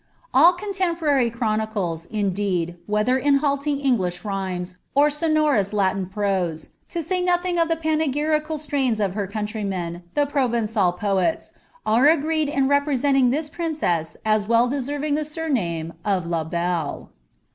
All contemporary chrcmicles, indeed, whether in halting English fhjrmee, or sonorous Latin prose— to say nothing of the panegyrical siiains of her oountrymen, the Provencal poets— are agreed in represent ing this princess as well deserving the surname of ^ La Belle.''